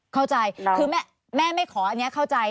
เข้าใจคือแม่ไม่ขออันนี้เข้าใจ